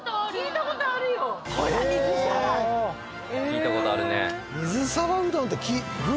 聞いたことあるね。